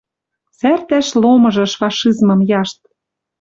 Сӓртӓш ломыжыш фашизмым яшт.